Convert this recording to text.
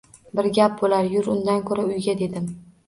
Bir gap boʻlar, yur undan koʻra uyga dedim.